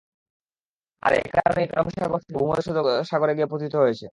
আর এ কারণেই কারম সাগর থেকে ভূমধ্যসাগরে গিয়ে পতিত হয়েছে।